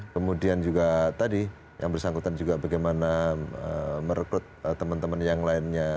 kemudian juga tadi yang bersangkutan juga bagaimana merekrut teman teman yang lainnya